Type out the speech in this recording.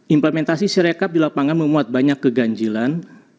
implementasi sirekap di lapangan memuat banyak kegancilan